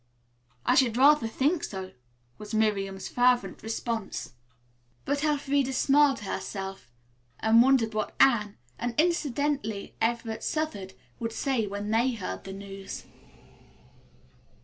"I should rather think so," was Miriam's fervent response. But Elfreda smiled to herself and wondered what Anne, and incidentally, Everett Southard would say when they heard the news.